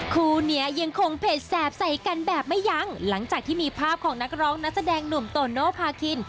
คู่เนี้ยยังคงเผ็ดแสบใส่กันแบบไม่ยั้งหลังจากที่มีภาพของนักร้องนักแสดงหนุ่มโตโนภาคิน